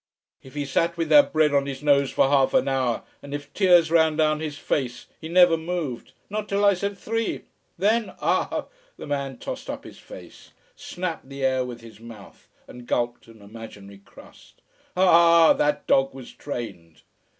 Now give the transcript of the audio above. If he sat with that bread on his nose for half an hour, and if tears ran down his face, he never moved not till I said three! Then ah!" The man tossed up his face, snapped the air with his mouth, and gulped an imaginary crust. "AH, that dog was trained...."